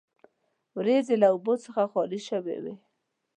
وریځې له اوبو څخه خالي شوې وې.